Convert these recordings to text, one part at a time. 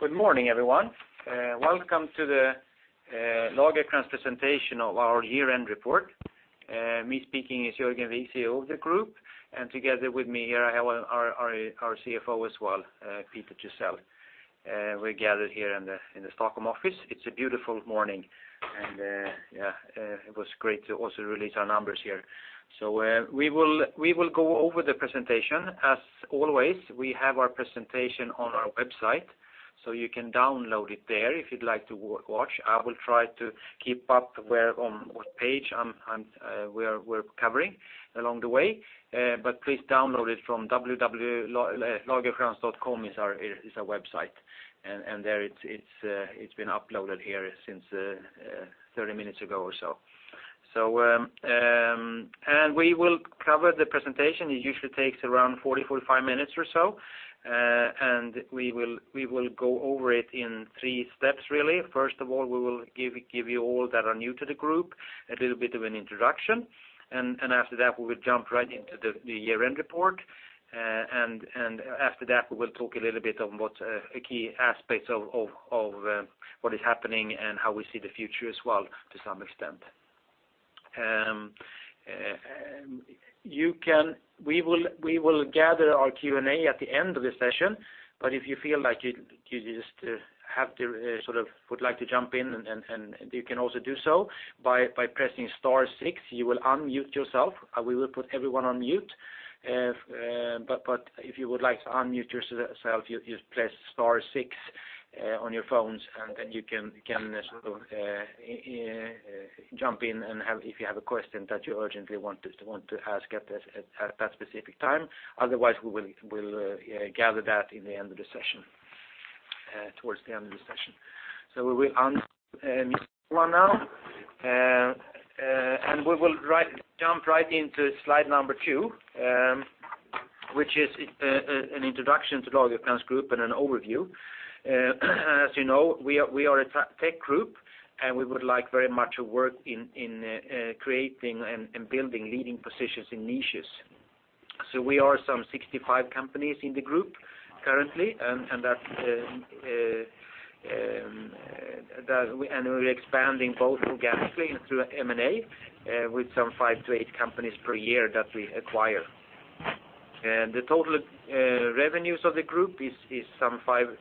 Good morning, everyone. Welcome to the Lagercrantz presentation of our year-end report. Me speaking is Jörgen Wigh, CEO of the group, and together with me here, I have our CFO as well, Peter Thysell. We're gathered here in the Stockholm office. It's a beautiful morning, and it was great to also release our numbers here. We will go over the presentation. As always, we have our presentation on our website, so you can download it there if you'd like to watch. I will try to keep up with what page we're covering along the way. Please download it from www.lagercrantz.com, our website. There it's been uploaded here since 30 minutes ago or so. We will cover the presentation. It usually takes around 40, 45 minutes or so. We will go over it in three steps really. First of all, we will give you all that are new to the group a little bit of an introduction. After that, we will jump right into the year-end report. After that, we will talk a little bit on what the key aspects of what is happening and how we see the future as well to some extent. We will gather our Q&A at the end of the session, but if you feel like you just have to sort of would like to jump in and you can also do so by pressing star six, you will unmute yourself. We will put everyone on mute. But if you would like to unmute yourself, you press star six on your phones, and then you can sort of jump in if you have a question that you urgently want to ask at that specific time. Otherwise, we will gather that in the end of the session towards the end of the session. We will mute everyone now. We will jump right into slide number 2, which is an introduction to Lagercrantz Group and an overview. As you know, we are a tech group, and we would like very much to work in creating and building leading positions in niches. We are 65 companies in the group currently, and we're expanding both organically and through M&A, with some 5-8 companies per year that we acquire. The total revenues of the group is 5.5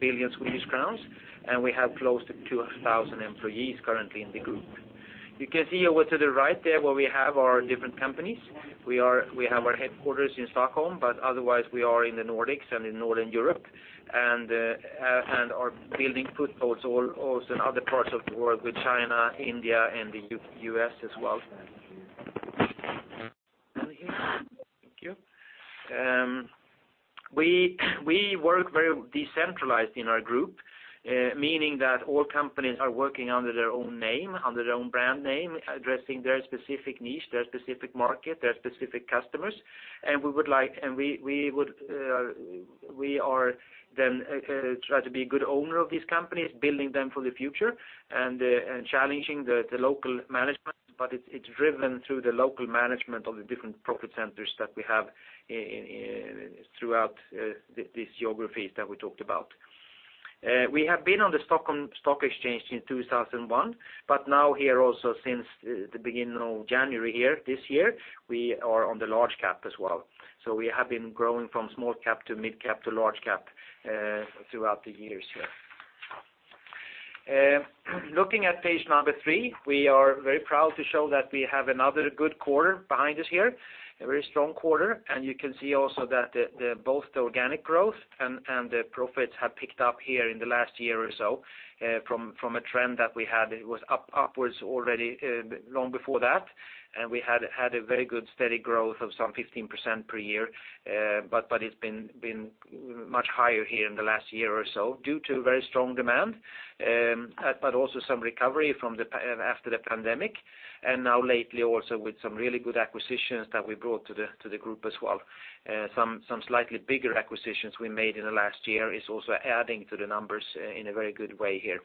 billion Swedish crowns, and we have close to 2,000 employees currently in the group. You can see over to the right there where we have our different companies. We have our headquarters in Stockholm, but otherwise we are in the Nordics and in Northern Europe, and are building footholds also in other parts of the world with China, India, and the US as well. Thank you. We work very decentralized in our group, meaning that all companies are working under their own name, under their own brand name, addressing their specific niche, their specific market, their specific customers. We then try to be a good owner of these companies, building them for the future and challenging the local management, but it's driven through the local management of the different profit centers that we have in throughout these geographies that we talked about. We have been on the Nasdaq Stockholm since 2001, but now here also since the beginning of January here, this year, we are on the Large Cap as well. We have been growing from small cap to mid cap to Large Cap throughout the years here. Looking at page 3, we are very proud to show that we have another good quarter behind us here, a very strong quarter. You can see also that both the organic growth and the profits have picked up here in the last year or so from a trend that we had. It was upwards already long before that, and we had a very good steady growth of some 15% per year. It's been much higher here in the last year or so due to very strong demand, but also some recovery after the pandemic, and now lately also with some really good acquisitions that we brought to the group as well. Slightly bigger acquisitions we made in the last year is also adding to the numbers in a very good way here.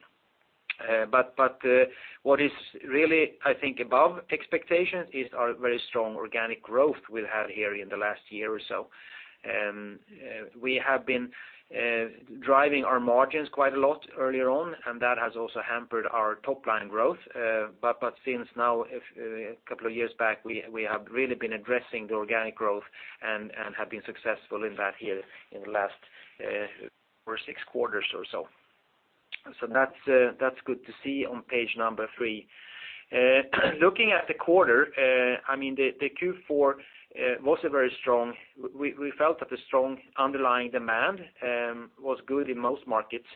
What is really, I think, above expectations is our very strong organic growth we've had here in the last year or so. We have been driving our margins quite a lot earlier on, and that has also hampered our top line growth. Since now a couple of years back, we have really been addressing the organic growth and have been successful in that here in the last 4, 6 quarters or so. That's good to see on page number 3. Looking at the quarter, I mean, the Q4 was a very strong. We felt that the strong underlying demand was good in most markets,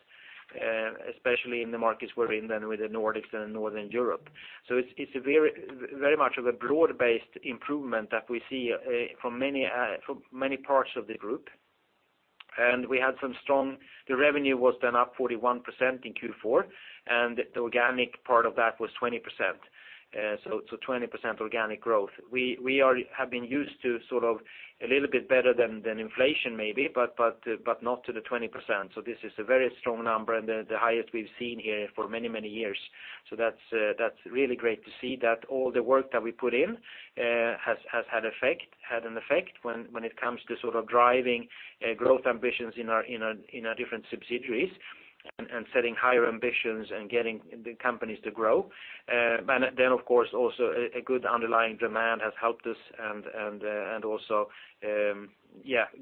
especially in the markets we're in than with the Nordics and Northern Europe. It's a very much of a broad-based improvement that we see from many parts of the group. The revenue was then up 41% in Q4, and the organic part of that was 20%. 20% organic growth. We have been used to sort of a little bit better than inflation maybe, but not to the 20%. This is a very strong number and the highest we've seen here for many years. That's really great to see that all the work that we put in has had an effect when it comes to sort of driving growth ambitions in our different subsidiaries, and setting higher ambitions and getting the companies to grow. Of course also a good underlying demand has helped us and also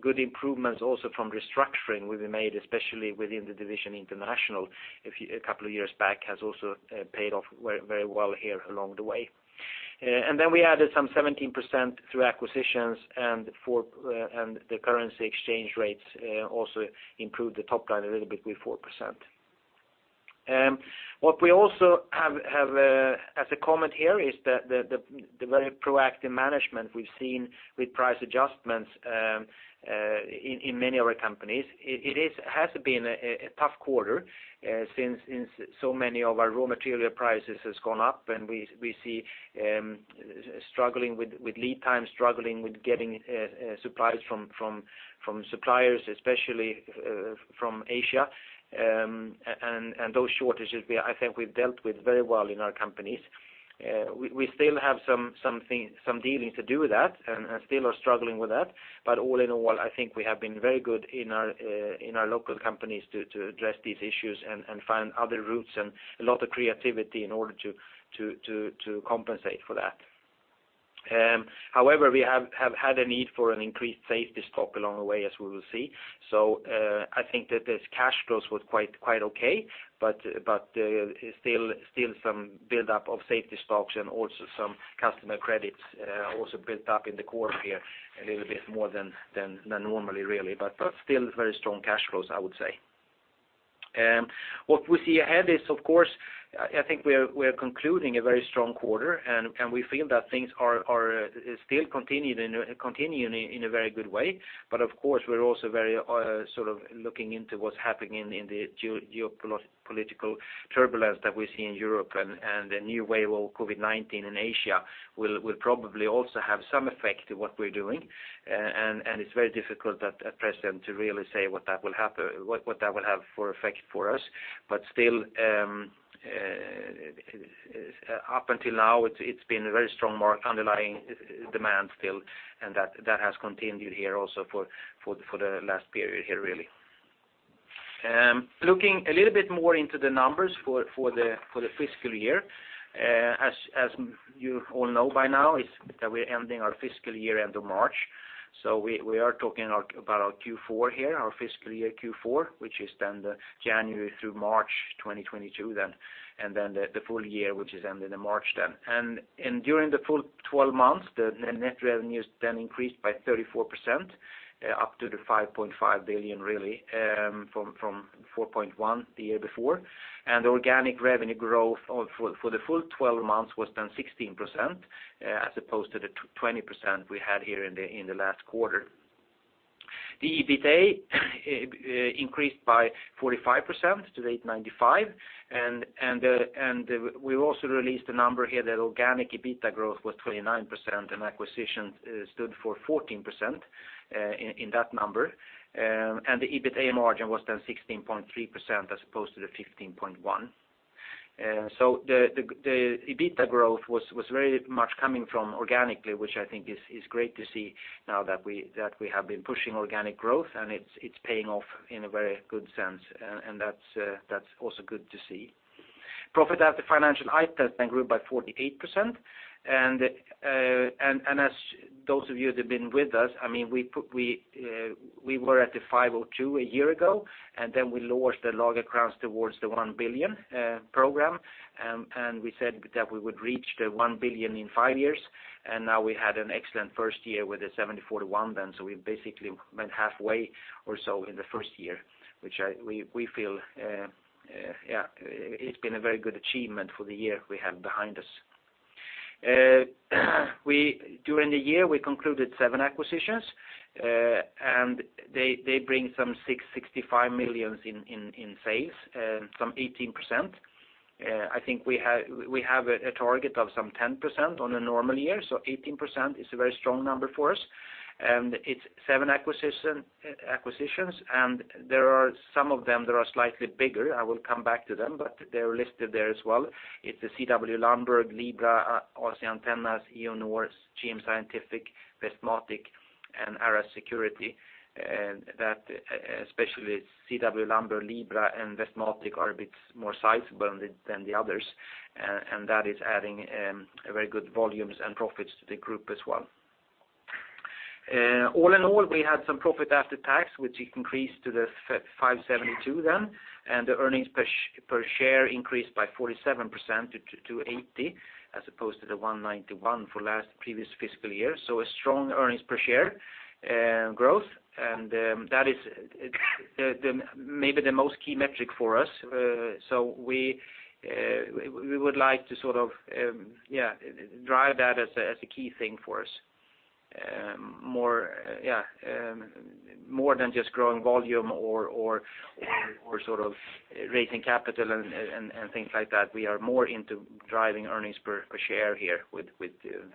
good improvements also from restructuring we've made, especially within the International division a couple of years back has also paid off very well here along the way. Then we added some 17% through acquisitions and the currency exchange rates also improved the top line a little bit with 4%. What we also have as a comment here is that the very proactive management we've seen with price adjustments in many of our companies, it has been a tough quarter since so many of our raw material prices has gone up, and we see struggling with lead times, struggling with getting supplies from suppliers, especially from Asia. Those shortages I think we've dealt with very well in our companies. We still have some dealings to do with that and still are struggling with that. All in all, I think we have been very good in our local companies to address these issues and find other routes and a lot of creativity in order to compensate for that. However, we have had a need for an increased safety stock along the way, as we will see. I think that this cash flows was quite okay, but still some buildup of safety stocks and also some customer credits also built up in the quarter here a little bit more than normally really. Still very strong cash flows, I would say. What we see ahead is of course, I think we are concluding a very strong quarter, and we feel that things are still continuing in a very good way. Of course, we're also very sort of looking into what's happening in the geopolitical turbulence that we see in Europe, and a new wave of COVID-19 in Asia will probably also have some effect on what we're doing. It's very difficult at present to really say what effect that will have for us. Still, up until now, it's been a very strong underlying demand still, and that has continued here also for the last period here really. Looking a little bit more into the numbers for the fiscal year, as you all know by now, is that we're ending our fiscal year end of March. We are talking about our Q4 here, our fiscal year Q4, which is the January through March 2022, and the full year, which is ending in March. During the full 12 months, the net revenue then increased by 34%, up to 5.5 billion really, from 4.1 billion the year before. Organic revenue growth for the full 12 months was then 16%, as opposed to the 20% we had here in the last quarter. The EBITA increased by 45% to SEK 895. We also released a number here that organic EBITA growth was 29%, and acquisitions stood for 14% in that number. The EBITA margin was then 16.3% as opposed to the 15.1%. The EBITA growth was very much coming from organically, which I think is great to see now that we have been pushing organic growth, and it's paying off in a very good sense. That's also good to see. Profit after financial items then grew by 48%. As those of you that have been with us, I mean, we were at the 502 a year ago, and then we launched the Lagercrantz towards 10 billion program. We said that we would reach 1 billion in five years. Now we had an excellent first year with 741 million then, so we basically went halfway or so in the first year, which we feel it's been a very good achievement for the year we have behind us. During the year, we concluded seven acquisitions, and they bring some 665 million in sales, some 18%. I think we have a target of some 10% on a normal year, so 18% is a very strong number for us. It's seven acquisitions, and there are some of them that are slightly bigger. I will come back to them, but they are listed there as well. It's the CW Lundberg, Libra-Plast, AC Antennas, Eonflow, GM Scientific, Westmatic, and RS Security. That especially CW Lundberg, Libra-Plast, and Westmatic are a bit more sizable than the others. And that is adding a very good volumes and profits to the group as well. All in all, we had some profit after tax, which increased to 572 then, and the earnings per share increased by 47% to 2.80 as opposed to the 1.91 for last previous fiscal year. A strong earnings per share growth, and that is the maybe the most key metric for us. We would like to sort of yeah drive that as a key thing for us. More than just growing volume or sort of raising capital and things like that. We are more into driving earnings per share here with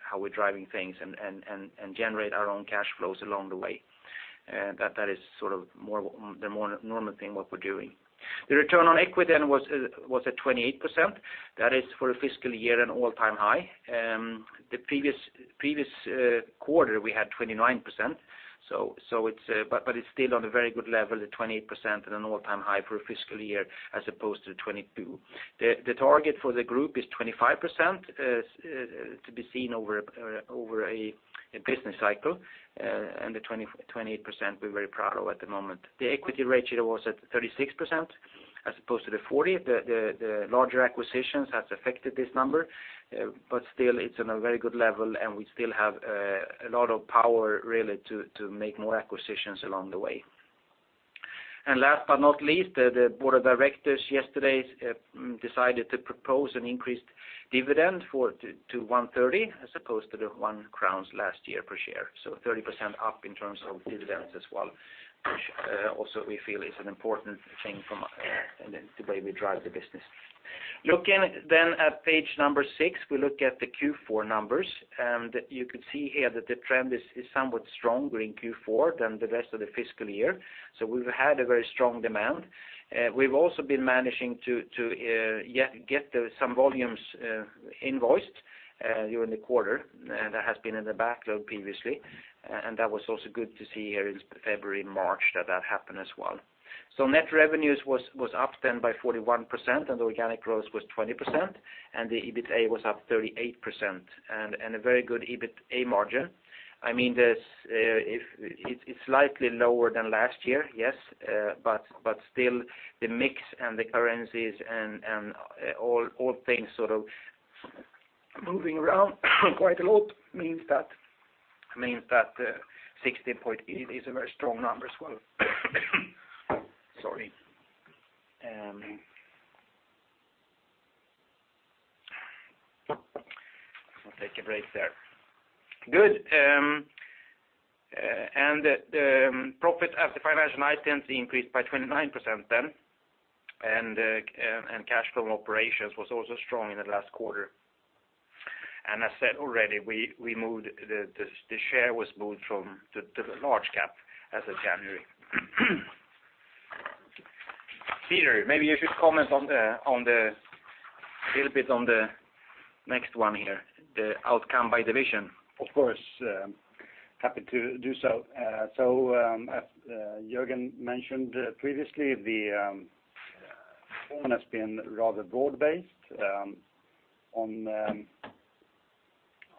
how we're driving things and generate our own cash flows along the way. That is sort of more the more normal thing what we're doing. The return on equity then was at 28%. That is for a fiscal year an all-time high. The previous quarter, we had 29%, so it's but it's still on a very good level at 28% and an all-time high for a fiscal year as opposed to 22%. The target for the group is 25% to be seen over a business cycle, and the 28% we're very proud of at the moment. The equity ratio was at 36% as opposed to the 40%. The larger acquisitions has affected this number, but still it's on a very good level, and we still have a lot of power really to make more acquisitions along the way. Last but not least, the board of directors yesterday decided to propose an increased dividend to 130 as opposed to the one crown last year per share. 30% up in terms of dividends as well, which also we feel is an important thing in the way we drive the business. Looking at page number 6, we look at the Q4 numbers. You could see here that the trend is somewhat stronger in Q4 than the rest of the fiscal year. We've had a very strong demand. We've also been managing to get some volumes invoiced during the quarter, and that has been in the backlog previously. That was also good to see here in February, March, that happened as well. Net revenues was up then by 41%, and the organic growth was 20%, and the EBITA was up 38%, and a very good EBITA margin. I mean, it's slightly lower than last year, yes, but still the mix and the currencies and all things sort of moving around quite a lot means that 16.8 is a very strong number as well. Sorry. I'll take a break there. Good. The profit after financial items increased by 29% then, and cash flow operations was also strong in the last quarter. I said already, we moved the share was moved from the Large Cap as of January. Peter, maybe you should comment on the, a little bit on the next one here, the outcome by division. Of course, happy to do so. As Jörgen mentioned previously, the performance has been rather broad-based,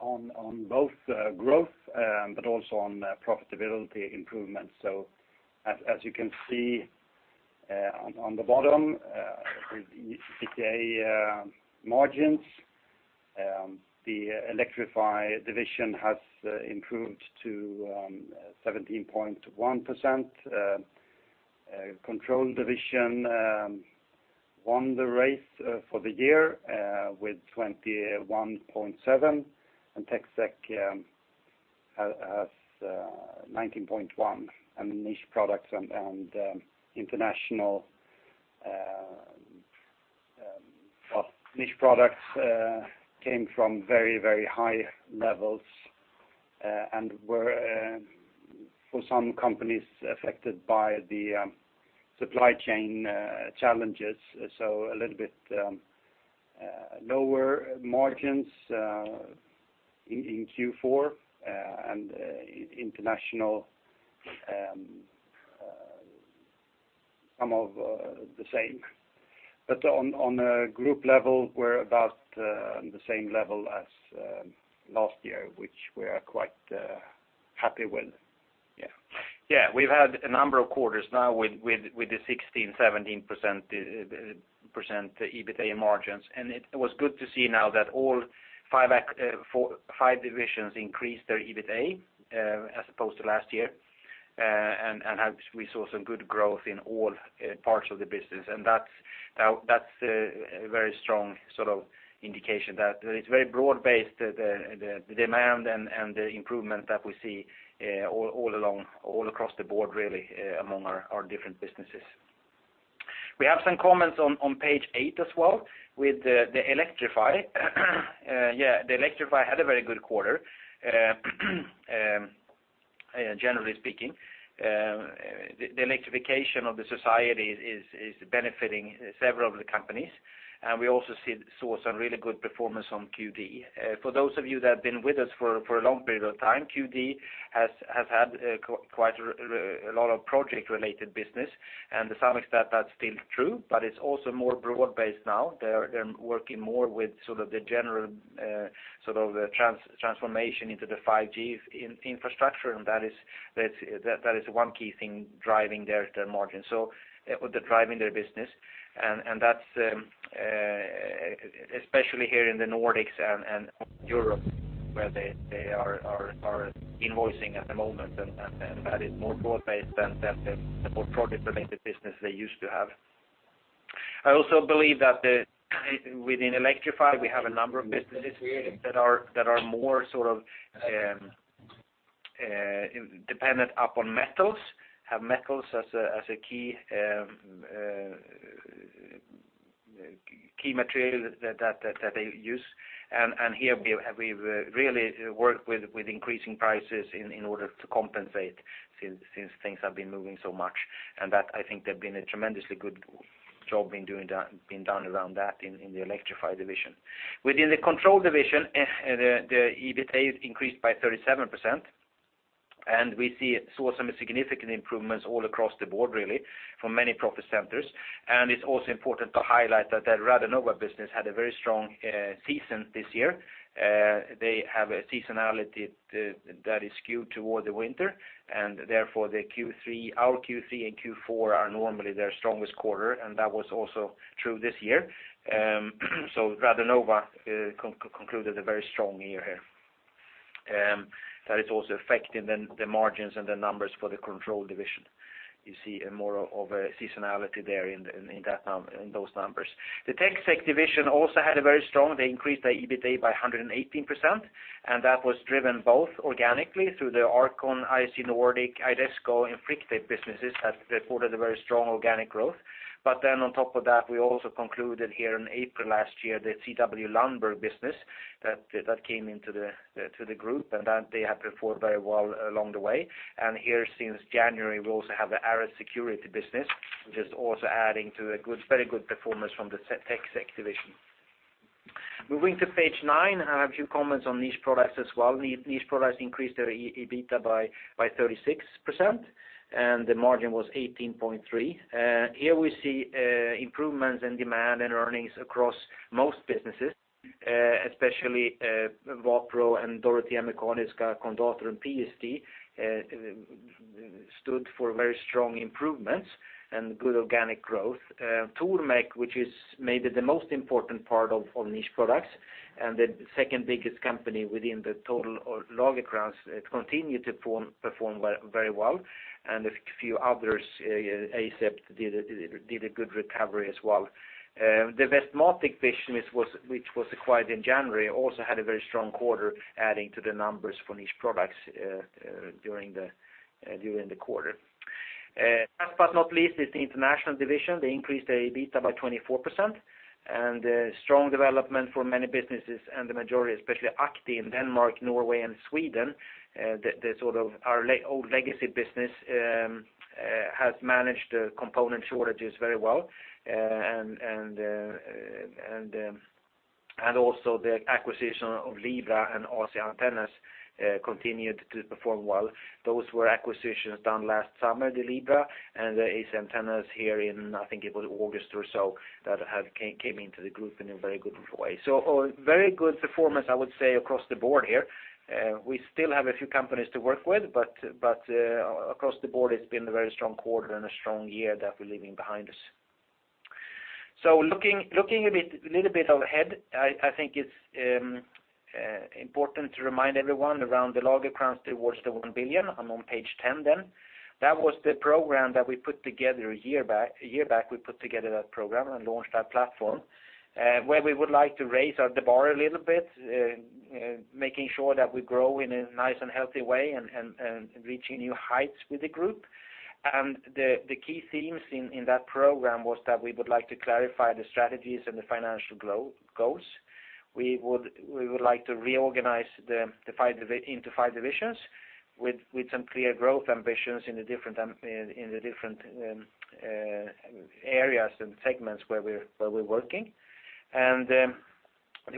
on both growth, but also on profitability improvements. As you can see, on the bottom, the EBITA margins, the Electrify division has improved to 17.1%. Control division won the race for the year with 21.7%, and TecSec has 19.1%. Niche Products and International. Well, Niche Products came from very high levels, and were for some companies affected by the supply chain challenges. A little bit lower margins in Q4, and International some of the same. On a group level, we're about the same level as last year, which we are quite happy with. Yeah. Yeah. We've had a number of quarters now with the 16%-17% EBITA margins, and it was good to see now that all five divisions increase their EBITA, as opposed to last year, and we saw some good growth in all parts of the business. That's a very strong sort of indication that it's very broad-based, the demand and the improvement that we see all along, all across the board really, among our different businesses. We have some comments on page 8 as well with the Electrify. Yeah, the Electrify had a very good quarter, generally speaking. The electrification of the society is benefiting several of the companies, and we also saw some really good performance on QD. For those of you that have been with us for a long period of time, QD has had quite a lot of project-related business. To some extent, that's still true, but it's also more broad-based now. They're working more with sort of the general sort of transformation into the 5G infrastructure, and that is one key thing driving their margins. Driving their business, and that's especially here in the Nordics and that is more broad-based than the more project-related business they used to have. I also believe that within Electrify, we have a number of businesses that are more sort of dependent upon metals, have metals as a key raw material that they use. Here we have really worked with increasing prices in order to compensate since things have been moving so much. I think that there's been a tremendously good job being done around that in the Electrify division. Within the Control division, the EBITA increased by 37%. We saw some significant improvements all across the board really from many profit centers. It's also important to highlight that the Radonova business had a very strong season this year. They have a seasonality that is skewed toward the winter, and therefore, the Q3—our Q3 and Q4 are normally their strongest quarter, and that was also true this year. Radonova concluded a very strong year here. That is also affecting the margins and the numbers for the Control division. You see more of a seasonality there in those numbers. The TecSec division also had a very strong—they increased their EBITA by 118%, and that was driven both organically through the ARAS, ISG Nordic, Idesco, and Frictape businesses that reported a very strong organic growth. On top of that, we also concluded here in April last year, the CW Lundberg business that came into the group, and they have performed very well along the way. Here since January, we also have the ARAS Security business, which is also adding to a good very good performance from the TecSec division. Moving to page nine, I have a few comments on Niche Products as well. Niche Products increased their EBITA by 36%, and the margin was 18.3%. Here we see improvements in demand and earnings across most businesses, especially Wapro and Dorotea Mekaniska, Kondator, and PST stood for very strong improvements and good organic growth. Tormek, which is maybe the most important part of Niche Products and the second biggest company within the total of Lagercrantz, it continued to perform very well, and a few others, Asept did a good recovery as well. The Westmatic business, which was acquired in January, also had a very strong quarter adding to the numbers for Niche Products during the quarter. Last but not least is the International division. They increased their EBITA by 24%, and a strong development for many businesses and the majority, especially ACTE in Denmark, Norway, and Sweden, the sort of our old legacy business, has managed the component shortages very well. And also the acquisition of Libra and AC Antennas continued to perform well. Those were acquisitions done last summer, the Libra, and the AC Antennas here in, I think it was August or so that have come into the group in a very good way. A very good performance, I would say, across the board here. We still have a few companies to work with, but across the board, it's been a very strong quarter and a strong year that we're leaving behind us. Looking a bit ahead, I think it's important to remind everyone around the Lagercrantz towards 10 billion. I'm on page 10 then. That was the program that we put together a year back and launched that platform, where we would like to raise the bar a little bit, making sure that we grow in a nice and healthy way and reaching new heights with the group. The key themes in that program was that we would like to clarify the strategies and the financial goals. We would like to reorganize the five into five divisions with some clear growth ambitions in the different areas and segments where we're working.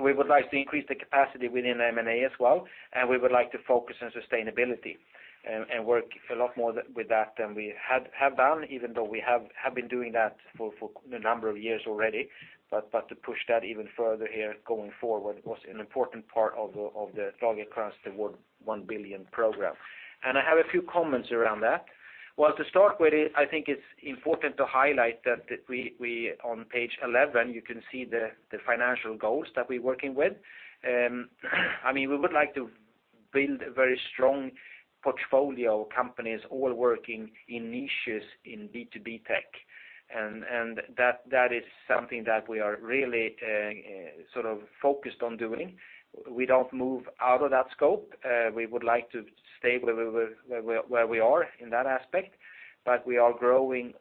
We would like to increase the capacity within M&A as well, and we would like to focus on sustainability and work a lot more with that than we have done, even though we have been doing that for a number of years already. To push that even further here going forward was an important part of the Lagercrantz towards 10 billion program. I have a few comments around that. Well, to start with, I think it's important to highlight that on page 11, you can see the financial goals that we're working with. I mean, we would like to build a very strong portfolio of companies all working in niches in B2B tech. That is something that we are really sort of focused on doing. We don't move out of that scope. We would like to stay where we are in that aspect, but we are growing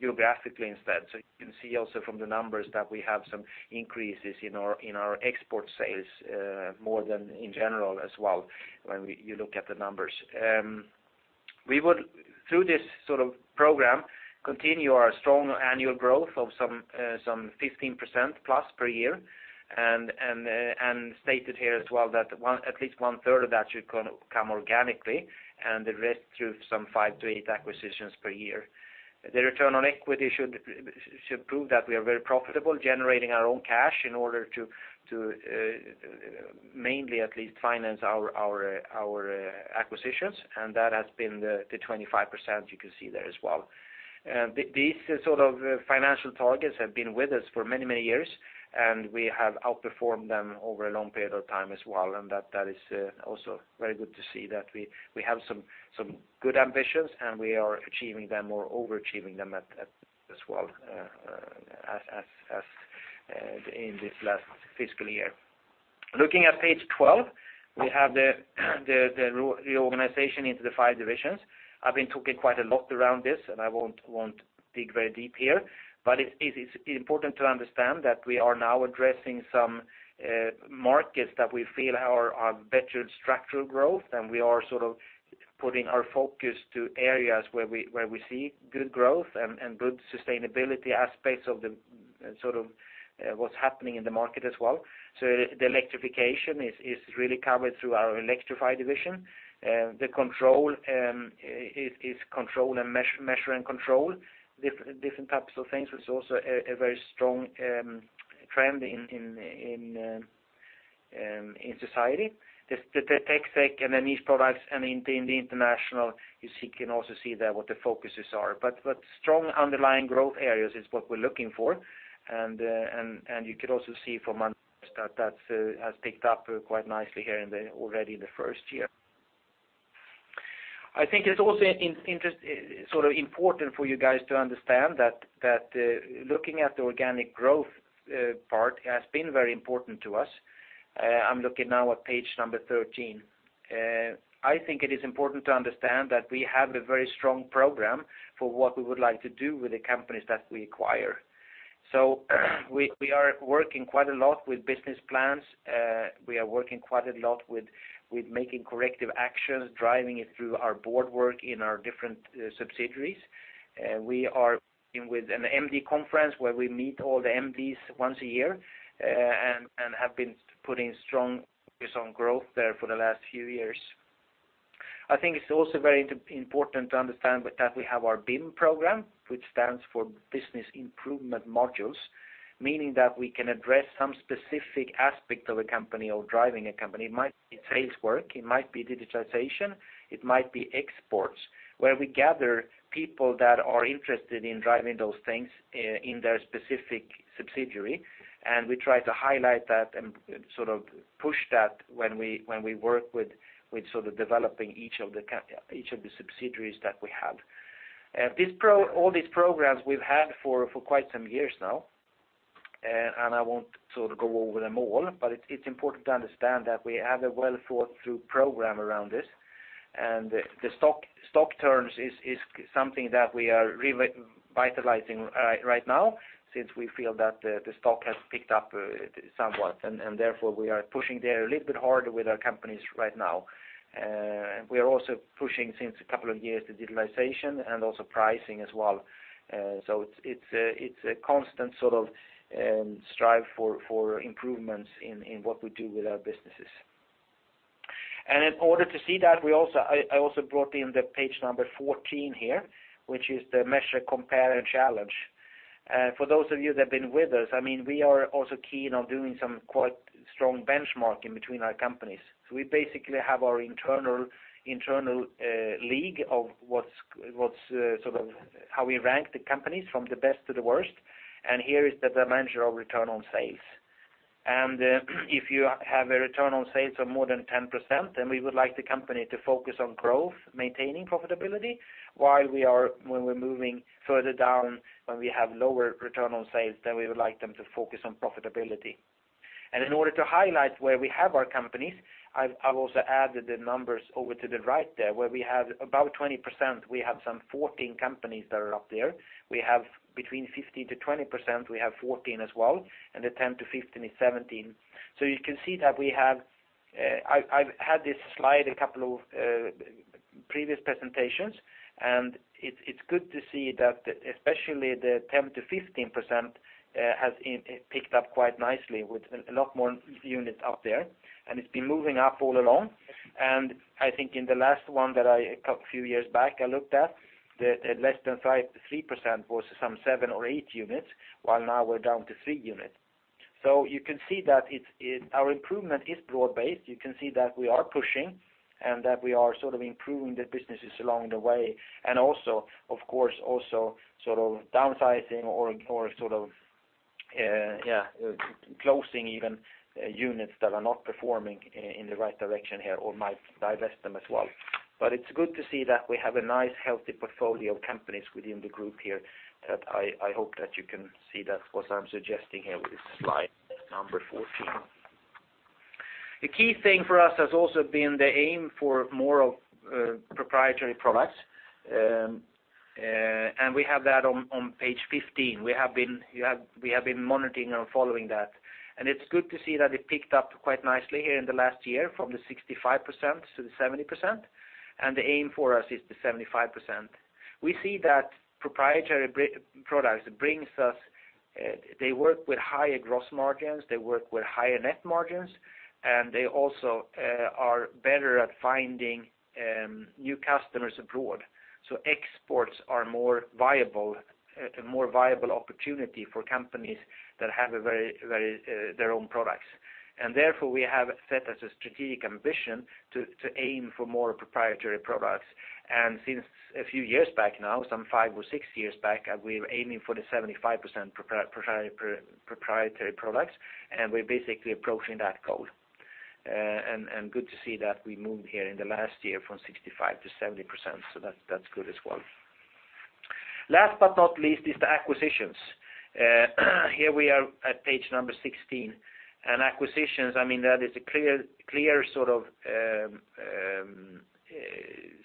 geographically instead. You can see also from the numbers that we have some increases in our export sales more than in general as well when you look at the numbers. We would, through this sort of program, continue our strong annual growth of some 15% plus per year. Stated here as well that at least one-third of that should come organically, and the rest through some 5 to 8 acquisitions per year. The return on equity should prove that we are very profitable, generating our own cash in order to mainly at least finance our acquisitions, and that has been the 25% you can see there as well. These sort of financial targets have been with us for many years, and we have outperformed them over a long period of time as well. That is also very good to see that we have some good ambitions, and we are achieving them or overachieving them as well as in this last fiscal year. Looking at page 12, we have the reorganization into the five divisions. I've been talking quite a lot around this, and I won't dig very deep here. It's important to understand that we are now addressing some markets that we feel are better structural growth, and we are sort of putting our focus to areas where we see good growth and good sustainability aspects of what's happening in the market as well. The electrification is really covered through our Electrifly division. The Control is control and measurement and control different types of things. It's also a very strong trend in society. The TecSec and the Niche Products and in the International, you see, can also see there what the focuses are. Strong underlying growth areas is what we're looking for. You can also see from that that has picked up quite nicely here in the, already in the first year. I think it's also interesting sort of important for you guys to understand that looking at the organic growth part has been very important to us. I'm looking now at page number 13. I think it is important to understand that we have a very strong program for what we would like to do with the companies that we acquire. We are working quite a lot with business plans. We are working quite a lot with making corrective actions, driving it through our board work in our different subsidiaries. We are working with an MD conference where we meet all the MDs once a year, and have been putting strong focus on growth there for the last few years. I think it's also very important to understand that we have our BIM program, which stands for Business Improvement Modules, meaning that we can address some specific aspect of a company or driving a company. It might be sales work, it might be digitalization, it might be exports, where we gather people that are interested in driving those things in their specific subsidiary, and we try to highlight that and sort of push that when we work with developing each of the subsidiaries that we have. All these programs we've had for quite some years now, and I won't sort of go over them all, but it's important to understand that we have a well-thought-through program around this. The stock turns is something that we are revitalizing right now since we feel that the stock has picked up somewhat, and therefore, we are pushing there a little bit harder with our companies right now. We are also pushing since a couple of years the digitalization and also pricing as well. It's a constant sort of strive for improvements in what we do with our businesses. In order to see that, we also brought in the page 14 here, which is the measure, compare, and challenge. For those of you that have been with us, I mean, we are also keen on doing some quite strong benchmarking between our companies. We basically have our internal league of what's sort of how we rank the companies from the best to the worst, and here is the managerial return on sales. If you have a return on sales of more than 10%, then we would like the company to focus on growth, maintaining profitability, when we're moving further down, when we have lower return on sales, then we would like them to focus on profitability. In order to highlight where we have our companies, I've also added the numbers over to the right there, where we have about 20%, we have some 14 companies that are up there. We have between 15%-20%, we have 14 as well, and the 10%-15% is 17. You can see that we have, I've had this slide a couple of previous presentations, and it's good to see that especially the 10%-15% has picked up quite nicely with a lot more units up there, and it's been moving up all along. I think in the last one that I, a few years back I looked at, the less than 5%-3% was some 7 or 8 units, while now we're down to 3 units. You can see that it's our improvement is broad-based. You can see that we are pushing and that we are sort of improving the businesses along the way, and also, of course, also sort of downsizing or sort of closing even units that are not performing in the right direction here or might divest them as well. It's good to see that we have a nice, healthy portfolio of companies within the group here that I hope that you can see that's what I'm suggesting here with this slide number 14. The key thing for us has also been the aim for more of proprietary products, and we have that on page 15. We have been monitoring and following that. It's good to see that it picked up quite nicely here in the last year from the 65% to the 70%, and the aim for us is the 75%. We see that proprietary products brings us, they work with higher gross margins, they work with higher net margins, and they also are better at finding new customers abroad. Exports are more viable, a more viable opportunity for companies that have a very their own products. Therefore, we have set as a strategic ambition to aim for more proprietary products. Since a few years back now, some five or six years back, we're aiming for the 75% proprietary products, and we're basically approaching that goal. Good to see that we moved here in the last year from 65% to 70%, so that's good as well. Last but not least is the acquisitions. Here we are at page number 16. Acquisitions, I mean, that is a clear sort of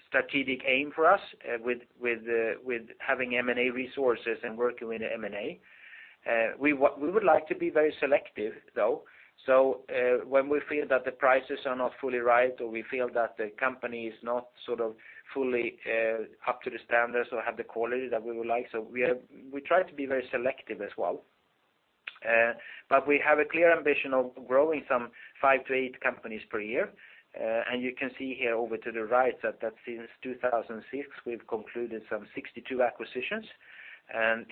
strategic aim for us, with having M&A resources and working with M&A. We would like to be very selective though. When we feel that the prices are not fully right, or we feel that the company is not sort of fully up to the standards or have the quality that we would like, we try to be very selective as well. We have a clear ambition of growing some 5-8 companies per year. You can see here over to the right that since 2006, we've concluded some 62 acquisitions.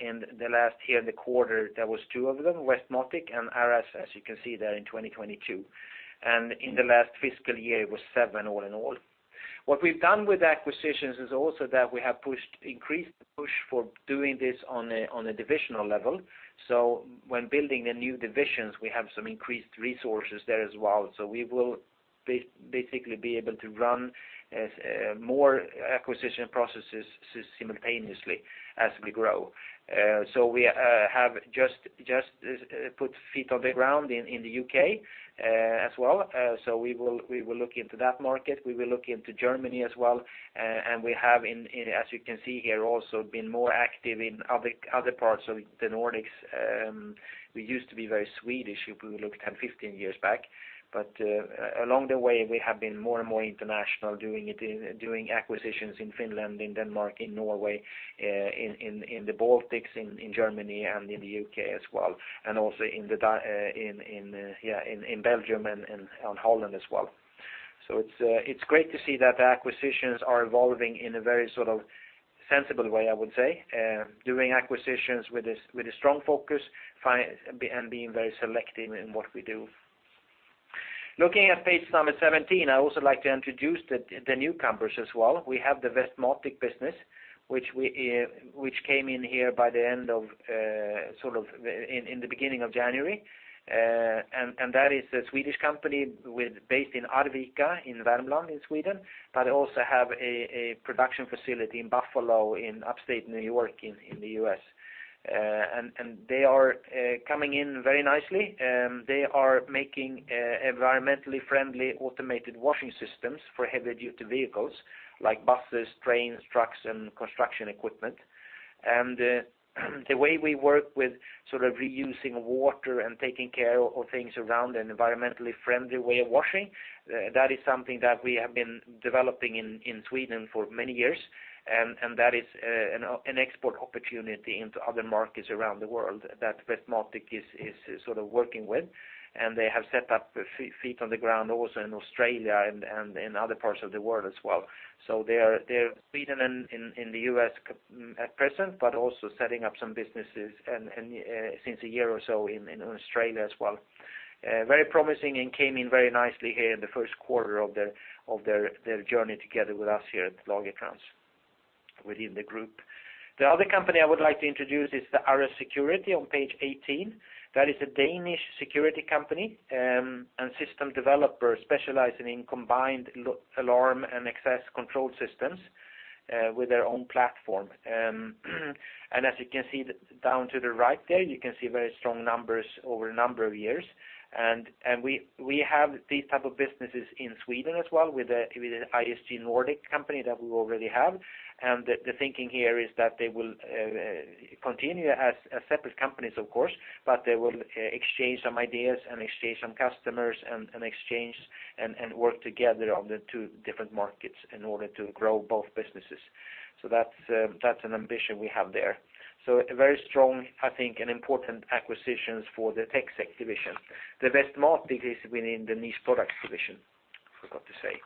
In the last year and the quarter, there was two of them, Westmatic and RS, as you can see there in 2022. In the last fiscal year, it was seven all in all. What we've done with acquisitions is also that we have increased the push for doing this on a divisional level. When building the new divisions, we have some increased resources there as well. We will basically be able to run more acquisition processes simultaneously as we grow. We have just put feet on the ground in the UK as well. We will look into that market. We will look into Germany as well. We have, as you can see here, also been more active in other parts of the Nordics. We used to be very Swedish if we look 10, 15 years back. Along the way, we have been more and more international doing acquisitions in Finland, in Denmark, in Norway, in the Baltics, in Germany, and in the UK as well, and also in Belgium and Holland as well. It's great to see that the acquisitions are evolving in a very sort of sensible way, I would say, doing acquisitions with a strong focus and being very selective in what we do. Looking at page number 17, I also like to introduce the newcomers as well. We have the Westmatic business, which came in here by the end of, sort of in the beginning of January. That is a Swedish company based in Arvika, in Värmland in Sweden, but also have a production facility in Buffalo, in Upstate New York in the U.S. They are coming in very nicely. They are making environmentally friendly automated washing systems for heavy-duty vehicles like buses, trains, trucks, and construction equipment. The way we work with sort of reusing water and taking care of things around an environmentally friendly way of washing, that is something that we have been developing in Sweden for many years. That is an export opportunity into other markets around the world that Westmatic is sort of working with. They have set up feet on the ground also in Australia and in other parts of the world as well. They are in Sweden and in the US at present, but also setting up some businesses and since a year or so in Australia as well. Very promising and came in very nicely here in the first quarter of their journey together with us here at Lagercrantz within the group. The other company I would like to introduce is the RS Security on page 18. That is a Danish security company and system developer specializing in combined alarm and access control systems with their own platform. As you can see down to the right there, you can see very strong numbers over a number of years. We have these type of businesses in Sweden as well with the ISG Nordic company that we already have. The thinking here is that they will continue as separate companies, of course, but they will exchange some ideas and exchange some customers and work together on the two different markets in order to grow both businesses. That's an ambition we have there. A very strong, I think, and important acquisitions for the TecSec division. The Westmatic is within the Niche Products division, I forgot to say.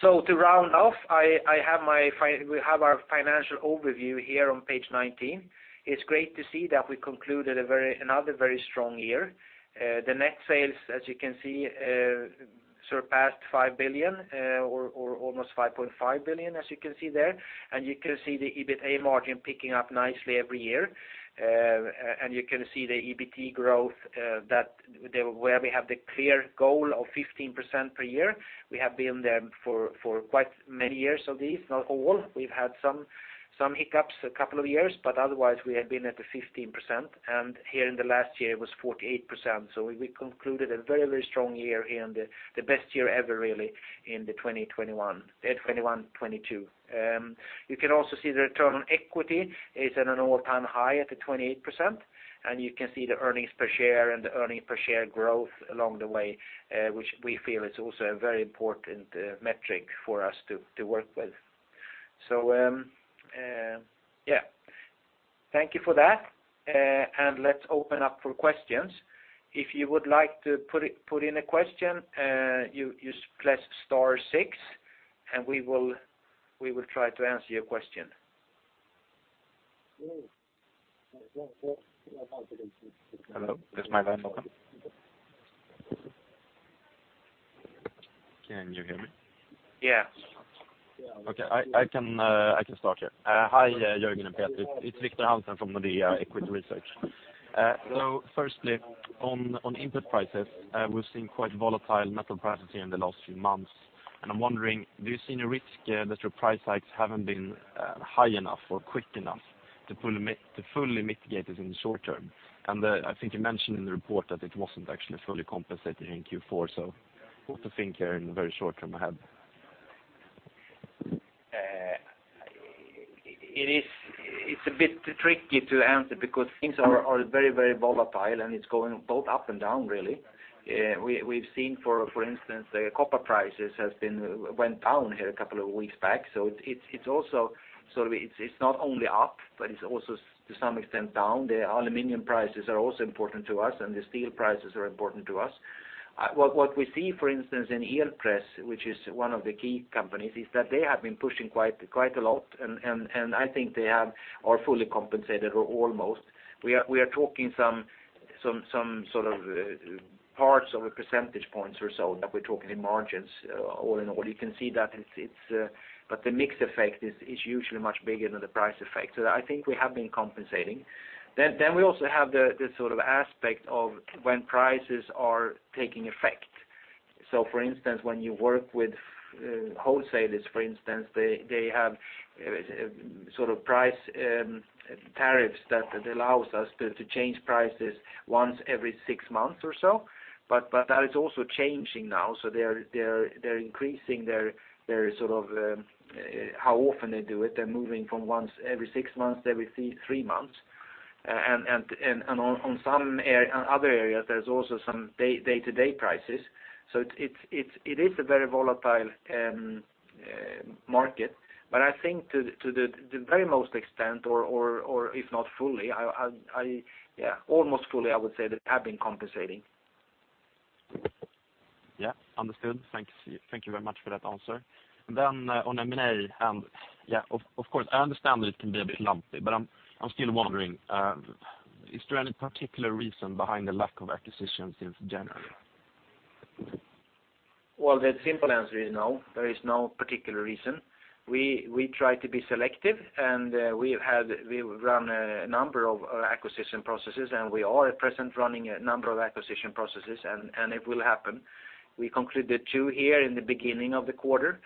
To round off, we have our financial overview here on page 19. It's great to see that we concluded another very strong year. The net sales, as you can see, surpassed 5 billion or almost 5.5 billion, as you can see there. You can see the EBITA margin picking up nicely every year. You can see the EBT growth where we have the clear goal of 15% per year. We have been there for quite many years of these, not all. We've had some hiccups a couple of years, but otherwise, we have been at the 15%. Here in the last year, it was 48%. We concluded a very, very strong year and the best year ever really in the 2021-22. You can also see the return on equity is at an all-time high at the 28%, and you can see the earnings per share and the earnings per share growth along the way, which we feel is also a very important metric for us to work with. Yeah. Thank you for that. Let's open up for questions. If you would like to put in a question, you press star six, and we will try to answer your question. Hello? Is my line open? Can you hear me? Yes. Okay. I can start here. Hi, Jörgen and Peter. It's Victor Hansen from Nordea Equity Research. Firstly, on input prices, we've seen quite volatile metal prices here in the last few months, and I'm wondering, do you see any risk that your price hikes haven't been high enough or quick enough to fully mitigate this in the short term? I think you mentioned in the report that it wasn't actually fully compensated in Q4, so what to think here in the very short term ahead? It's a bit tricky to answer because things are very volatile, and it's going both up and down really. We've seen, for instance, the copper prices has been, went down here a couple of weeks back, so it's also sort of not only up, but it's also to some extent down. The aluminum prices are also important to us, and the steel prices are important to us. What we see, for instance, in Elpress, which is one of the key companies, is that they have been pushing quite a lot and I think they are fully compensated or almost. We are talking some sort of parts of a percentage points or so that we're talking in margins all in all. You can see that it's but the mix effect is usually much bigger than the price effect. I think we have been compensating. We also have the sort of aspect of when prices are taking effect. For instance, when you work with wholesalers for instance, they have sort of price tariffs that allows us to change prices once every six months or so. That is also changing now, so they're increasing their sort of how often they do it. They're moving from once every six months to every three months. On some other areas, there's also some day-to-day prices. It is a very volatile market. I think to the very most extent or if not fully, yeah, almost fully I would say that we have been compensating. Yeah. Understood. Thanks. Thank you very much for that answer. On M&A and yeah, of course I understand it can be a bit lumpy, but I'm still wondering, is there any particular reason behind the lack of acquisitions since January? Well, the simple answer is no, there is no particular reason. We try to be selective, and we've run a number of acquisition processes, and we are at present running a number of acquisition processes and it will happen. We concluded 2 here in the beginning of the quarter.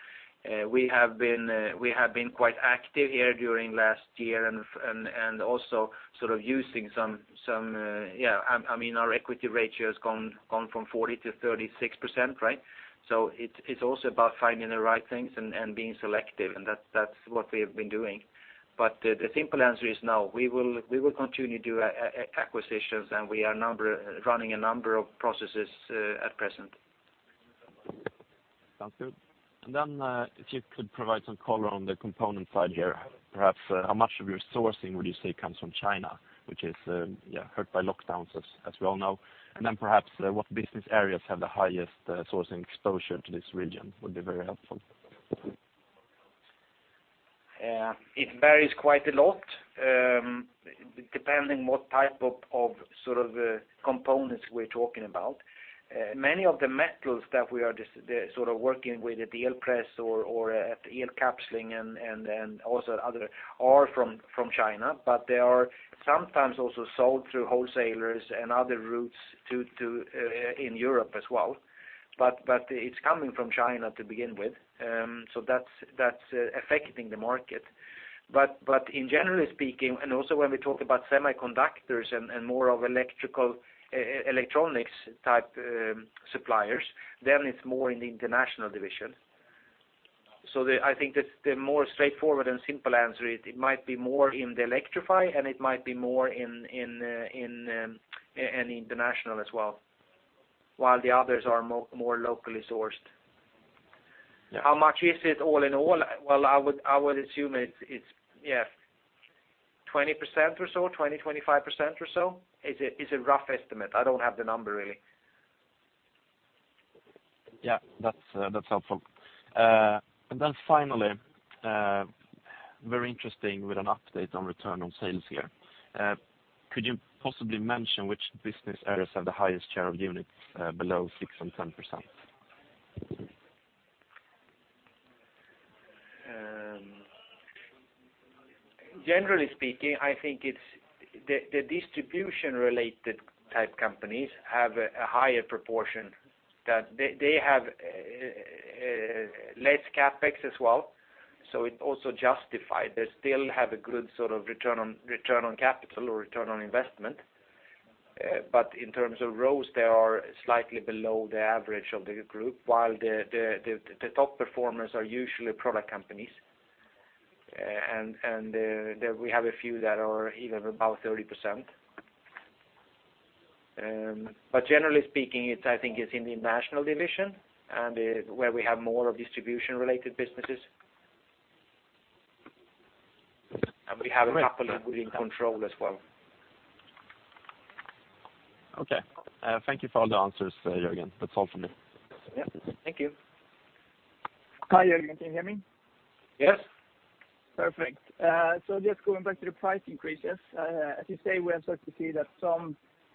We have been quite active here during last year and also sort of using some. I mean our equity ratio has gone from 40% to 36%, right? So it's also about finding the right things and being selective, and that's what we've been doing. But the simple answer is no. We will continue to do acquisitions, and we are running a number of processes at present. Sounds good. If you could provide some color on the component side here, perhaps how much of your sourcing would you say comes from China, which is hurt by lockdowns as we all know? Perhaps what business areas have the highest sourcing exposure to this region would be very helpful. It varies quite a lot, depending what type of sort of components we're talking about. Many of the metals that we are just sort of working with at the EL Press or at Elkapsling and also other are from China, but they are sometimes also sold through wholesalers and other routes to in Europe as well. It's coming from China to begin with. That's affecting the market. In general speaking, and also when we talk about semiconductors and more of electrical electronics type suppliers, then it's more in the International division. I think the more straightforward and simple answer is it might be more in the Electrify and it might be more in International as well, while the others are more locally sourced. How much is it all in all? Well, I would assume it's yeah, 20% or so, 20-25% or so is a rough estimate. I don't have the number really. Yeah. That's helpful. Finally, very interesting with an update on return on sales here. Could you possibly mention which business areas have the highest share of units below 6% and 10%? Generally speaking, I think it's the distribution-related type companies have a higher proportion that they have less CapEx as well, so it also justified. They still have a good sort of return on capital or return on investment. In terms of ROIs, they are slightly below the average of the group, while the top performers are usually product companies. There we have a few that are even above 30%. Generally speaking, it's, I think it's in the International division and where we have more of distribution-related businesses. We have a couple within Control as well. Okay. Thank you for all the answers, Jörgen. That's all for me. Yeah. Thank you. Hi, Jörgen. Can you hear me? Yes. Perfect. Just going back to the price increases, as you say, we have started to see that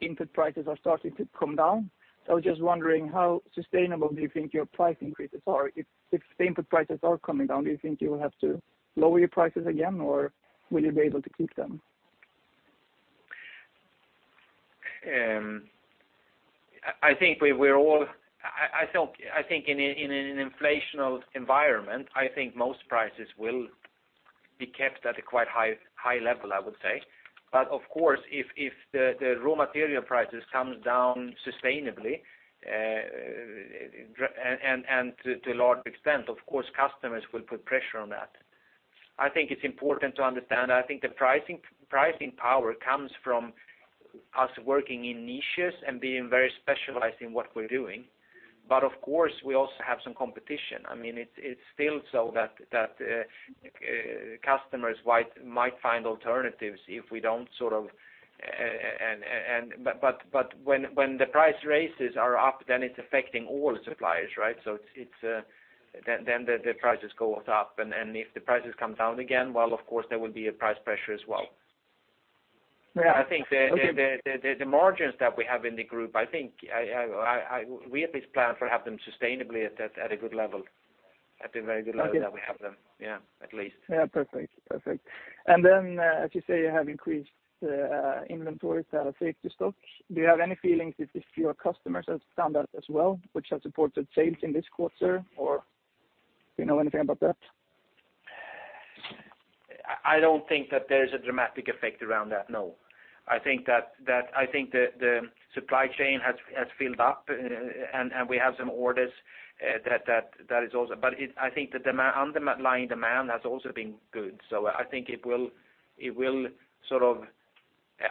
input prices are starting to come down. I was just wondering how sustainable do you think your price increases are? If the input prices are coming down, do you think you will have to lower your prices again or will you be able to keep them? I think in an inflationary environment, I think most prices will be kept at a quite high level, I would say. Of course, if the raw material prices comes down sustainably and to a large extent, customers will put pressure on that. I think it's important to understand, I think the pricing power comes from us working in niches and being very specialized in what we're doing. Of course, we also have some competition. I mean, it's still so that customers might find alternatives if we don't sort of. When the price raises are up, then it's affecting all suppliers, right? It's then the prices goes up, and if the prices come down again, well, of course there will be a price pressure as well. Yeah. Okay. I think the margins that we have in the group. I think we at least plan to have them sustainably at a good level, at a very good level that we have them. Okay. Yeah, at least. Perfect. As you say, you have increased inventories, safety stock. Do you have any feelings if your customers have done that as well, which have supported sales in this quarter, or do you know anything about that? I don't think that there's a dramatic effect around that, no. I think that the supply chain has filled up and we have some orders that is also. I think the underlying demand has also been good. I think it will sort of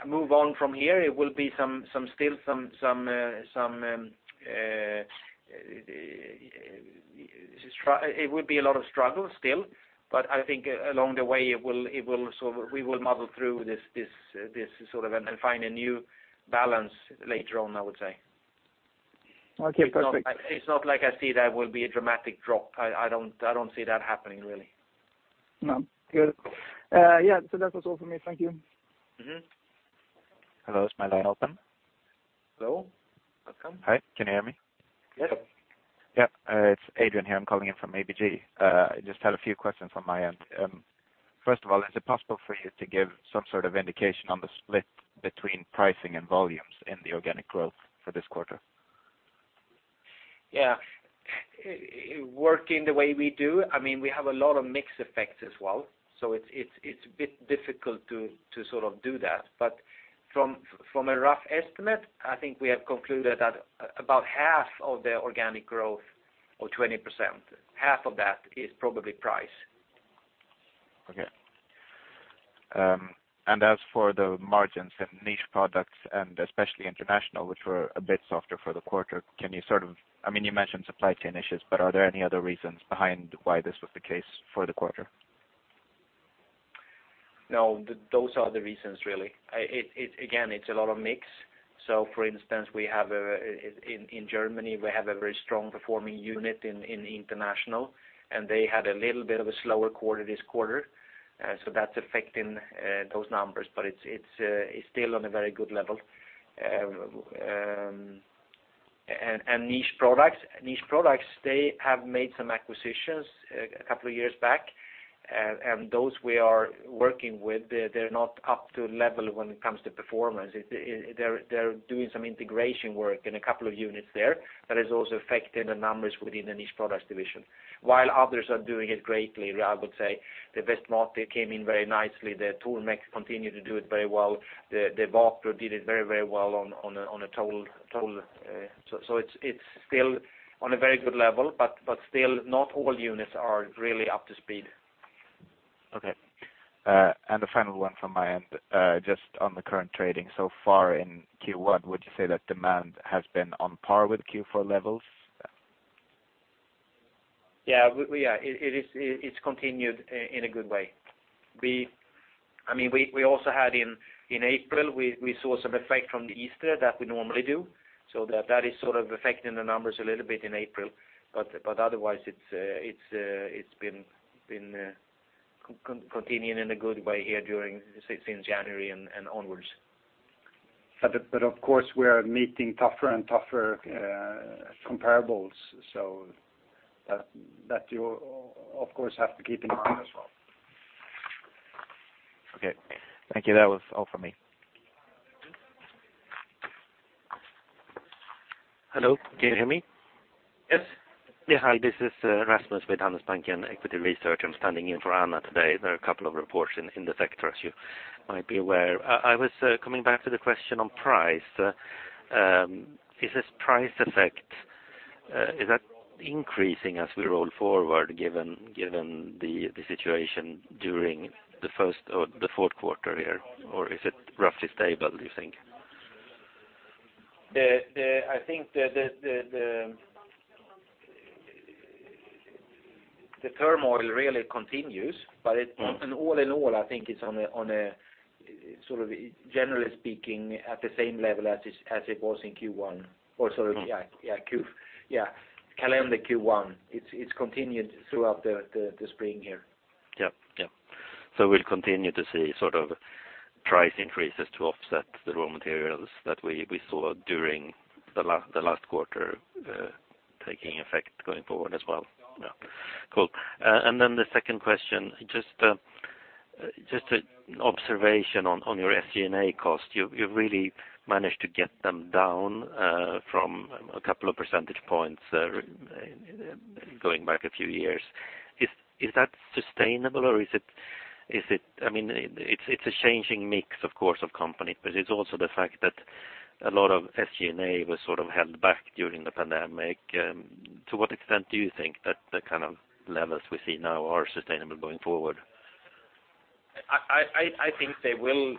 move on from here. It would be a lot of struggle still, but I think along the way, we will muddle through this sort of and then find a new balance later on, I would say. Okay. Perfect. It's not like I see there will be a dramatic drop. I don't see that happening really. No. Good. Yeah. That was all for me. Thank you. Mm-hmm. Hello, is my line open? Hello? Welcome. Hi. Can you hear me? Yes. Yeah. It's Adrian here. I'm calling in from ABG. I just had a few questions on my end. First of all, is it possible for you to give some sort of indication on the split between pricing and volumes in the organic growth for this quarter? Yeah. Working the way we do, I mean, we have a lot of mix effects as well, so it's a bit difficult to sort of do that. From a rough estimate, I think we have concluded that about half of the organic growth or 20%, half of that is probably price. Okay. As for the margins in Niche Products, and especially International, which were a bit softer for the quarter, can you sort of, I mean, you mentioned supply chain issues, but are there any other reasons behind why this was the case for the quarter? No, those are the reasons, really. It again, it's a lot of mix. For instance, we have in Germany, we have a very strong performing unit in International, and they had a little bit of a slower quarter this quarter. That's affecting those numbers, but it's still on a very good level. Niche Products, they have made some acquisitions a couple of years back, and those we are working with, they're not up to level when it comes to performance. They're doing some integration work in a couple of units there. That has also affected the numbers within the Niche Products division. While others are doing it greatly, I would say the Westmatic, they came in very nicely. The Tormek continue to do it very well. The Wapro did it very well on a total. It's still on a very good level, but still, not all units are really up to speed. Okay. The final one from my end, just on the current trading so far in Q1, would you say that demand has been on par with Q4 levels? Yeah. Yeah. It is, it's continued in a good way. I mean, we also had in April, we saw some effect from the Easter that we normally do, so that is sort of affecting the numbers a little bit in April. Otherwise, it's been continuing in a good way here during since January and onwards. Of course, we are meeting tougher and tougher comparables, so that you of course have to keep in mind as well. Okay. Thank you. That was all for me. Mm-hmm. Hello, can you hear me? Yes. Yeah. Hi, this is Rasmus with Hansabank in equity research. I'm standing in for Anna today. There are a couple of reports in the sector, as you might be aware. I was coming back to the question on price. Is this price effect increasing as we roll forward, given the situation during the first or the fourth quarter here? Or is it roughly stable, do you think? I think the turmoil really continues, but it. Mm. All in all, I think it's on a sort of generally speaking at the same level as it was in Q1 or sorry. Mm. Yeah, yeah. Yeah, calendar Q1. It's continued throughout the spring here. Yep. Yep. We'll continue to see sort of price increases to offset the raw materials that we saw during the last quarter, taking effect going forward as well. Yeah. Cool. The second question, just an observation on your SG&A cost. You really managed to get them down from a couple of percentage points going back a few years. Is that sustainable or is it? I mean, it's a changing mix, of course, of companies, but it's also the fact that a lot of SG&A was sort of held back during the pandemic. To what extent do you think that the kind of levels we see now are sustainable going forward? I think they will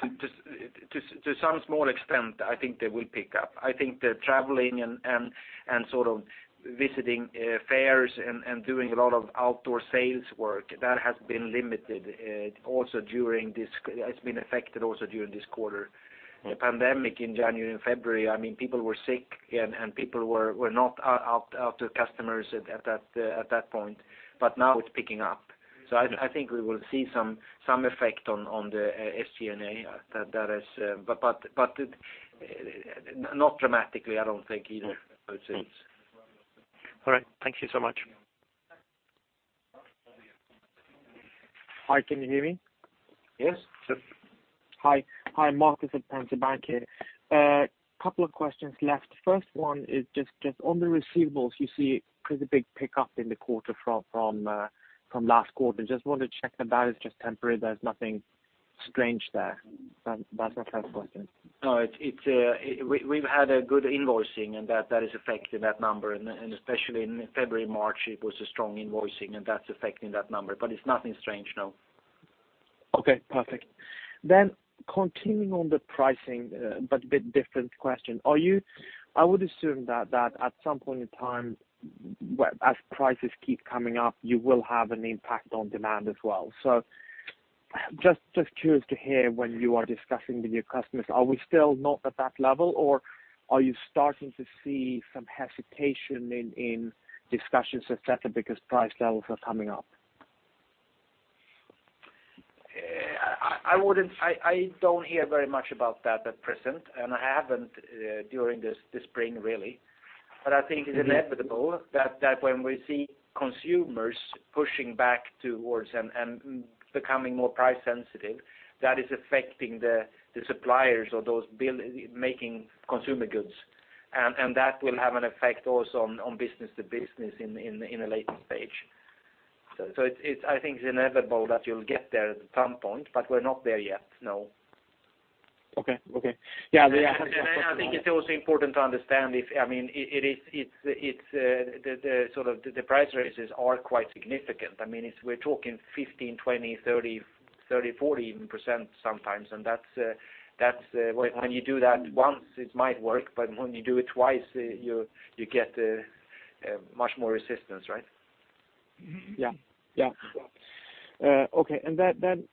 pick up to some small extent. I think the traveling and sort of visiting fairs and doing a lot of outdoor sales work that has been limited also during this quarter. It's been affected also during this quarter. The pandemic in January and February, I mean, people were sick and people were not out to customers at that point, but now it's picking up. I think we will see some effect on the SG&A that is, but not dramatically, I don't think either, I would say. All right. Thank you so much. Yeah. Hi, can you hear me? Yes. Hi. Hi, Marcus at Pareto Bank here. Couple of questions left. First one is just on the receivables. You see pretty big pickup in the quarter from last quarter. Just want to check that is just temporary. There's nothing strange there. That's my first question. We've had a good invoicing, and that is affecting that number. Especially in February, March, it was a strong invoicing, and that's affecting that number. It's nothing strange, no. Okay, perfect. Continuing on the pricing, but a bit different question. Are you—I would assume that at some point in time, as prices keep coming up, you will have an impact on demand as well. Just curious to hear when you are discussing with your customers, are we still not at that level, or are you starting to see some hesitation in discussions et cetera, because price levels are coming up? I don't hear very much about that at present, and I haven't during this spring, really. I think it's inevitable that when we see consumers pushing back towards and becoming more price sensitive, that is affecting the suppliers or those building consumer goods. That will have an effect also on business to business in a later stage. It's inevitable that you'll get there at some point, but we're not there yet, no. Okay. Yeah. I think it's also important to understand. I mean, it is, it's the sort of price raises are quite significant. I mean, it's we're talking 15, 20, 30, 40 even % sometimes. That's when you do that once, it might work, but when you do it twice, you get a much more resistance, right?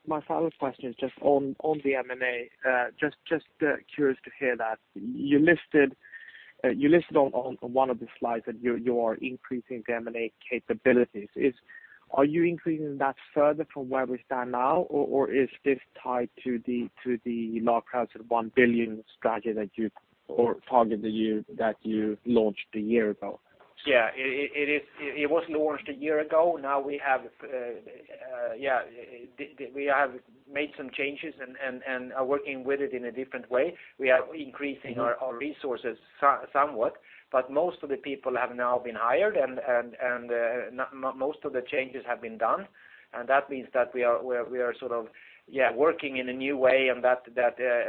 My final question is just on the M&A. Just curious to hear that you listed on one of the slides that you are increasing the M&A capabilities. Are you increasing that further from where we stand now? Or is this tied to the more closer to 1 billion strategy that your target for the year that you launched a year ago? It was launched a year ago. Now we have made some changes and are working with it in a different way. We are increasing our resources somewhat, but most of the people have now been hired, and most of the changes have been done. That means that we are sort of working in a new way, and that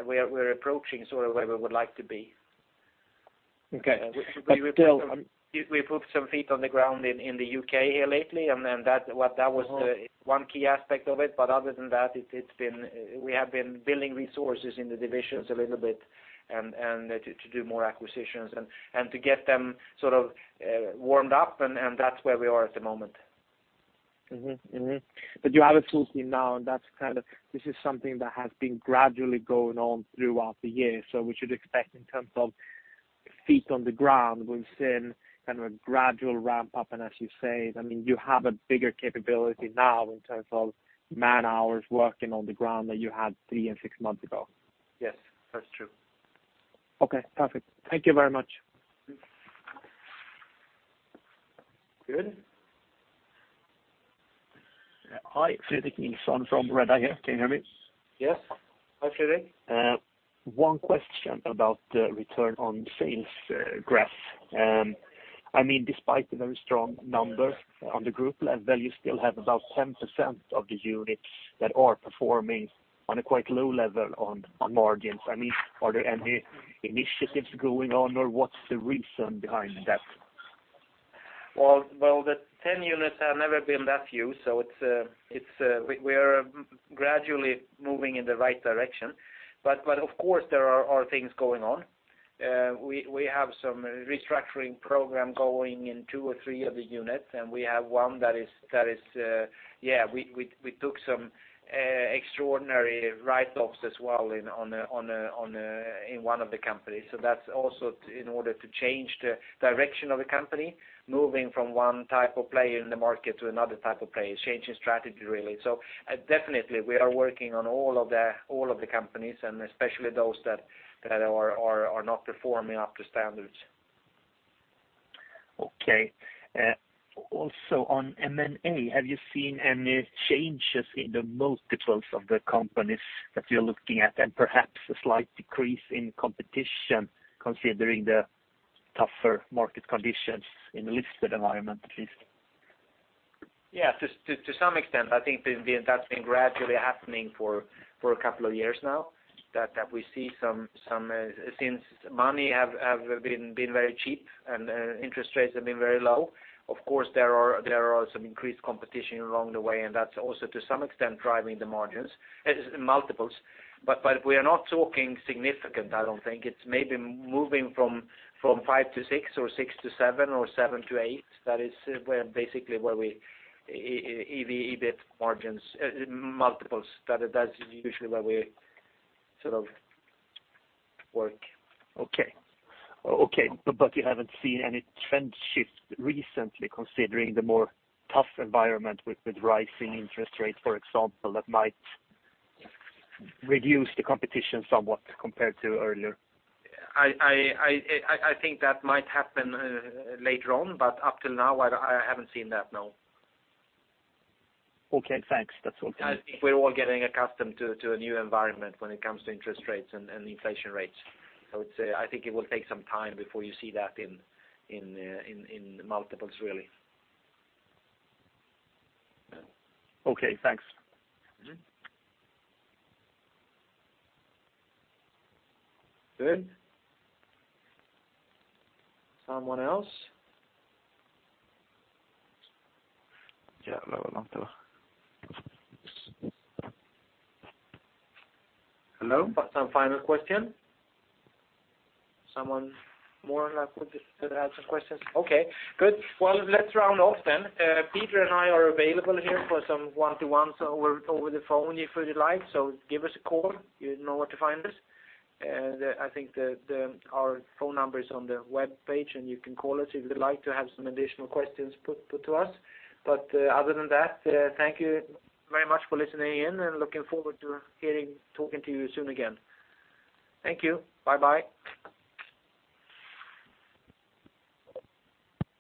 we are approaching sort of where we would like to be. Okay. Still. We put some feet on the ground in the UK here lately, and then that was the one key aspect of it. But other than that, we have been building resources in the divisions a little bit and to do more acquisitions and to get them sort of warmed up, and that's where we are at the moment. You have a full team now, and that's kind of this is something that has been gradually going on throughout the year. We should expect in terms of feet on the ground, we've seen kind of a gradual ramp up. As you say, I mean, you have a bigger capability now in terms of man-hours working on the ground than you had three and six months ago. Yes, that's true. Okay, perfect. Thank you very much. Good. Hi, Fredrik Nilsson from Redeye here. Can you hear me? Yes. Hi, Freddy. One question about the return on sales graph. I mean, despite the very strong numbers on the group level, you still have about 10% of the units that are performing on a quite low level on margins. I mean, are there any initiatives going on, or what's the reason behind that? Well, the 10 units have never been that few, so we are gradually moving in the right direction. Of course, there are things going on. We have some restructuring program going in 2 or 3 of the units, and we have one that is, yeah, we took some extraordinary write-offs as well in one of the companies. That's also in order to change the direction of the company, moving from one type of player in the market to another type of player, changing strategy, really. Definitely we are working on all of the companies, and especially those that are not performing up to standards. Okay. Also on M&A, have you seen any changes in the multiples of the companies that you're looking at, and perhaps a slight decrease in competition considering the tougher market conditions in the listed environment at least? Yeah. To some extent, I think that's been gradually happening for a couple of years now, that we see some since money have been very cheap and interest rates have been very low. Of course, there are some increased competition along the way, and that's also to some extent driving the margins multiples. We are not talking significant, I don't think. It's maybe moving from 5 to 6 or 6 to 7 or 7 to 8. That is basically where we EBIT margins multiples. That is usually where we sort of work. You haven't seen any trend shift recently considering the more tough environment with rising interest rates, for example, that might reduce the competition somewhat compared to earlier? I think that might happen later on, but up till now I haven't seen that, no. Okay, thanks. That's all. I think we're all getting accustomed to a new environment when it comes to interest rates and inflation rates. I would say I think it will take some time before you see that in multiples, really. Okay, thanks. Good. Someone else? Yeah. Hello. Hello. Some final question? Someone more left with, that have some questions? Okay, good. Well, let's round off then. Peter and I are available here for some one-to-ones over the phone if you like, so give us a call. You know where to find us. I think our phone number is on the webpage, and you can call us if you would like to have some additional questions put to us. Other than that, thank you very much for listening in, and looking forward to talking to you soon again. Thank you. Bye-bye.